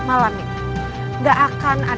aku harus mengejarnya